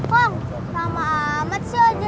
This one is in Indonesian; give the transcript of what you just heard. wong lama amat sih ojeknya